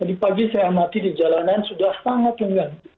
tadi pagi saya amati di jalanan sudah sangat lenggang